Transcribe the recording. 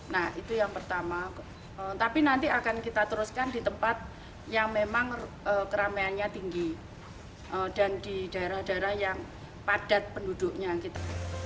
nah itu yang pertama tapi nanti akan kita teruskan di tempat yang memang keramaiannya tinggi dan di daerah daerah yang padat penduduknya gitu